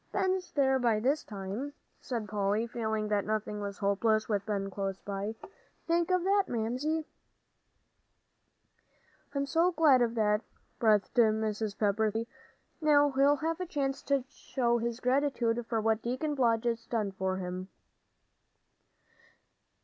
"Ben's there by this time," said Polly, feeling that nothing was hopeless with Ben close by. "Think of that, Mamsie." "I'm so glad of that," breathed Mrs. Pepper, thankfully. "Now he'll have a chance to show his gratitude for what Deacon Blodgett's done for him."